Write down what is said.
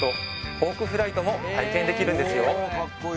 ホークフライトも体験できるんですよ